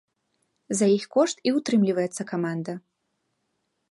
За іх кошт і ўтрымліваецца каманда.